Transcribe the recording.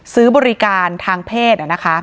ซื้อบริการทางเพศ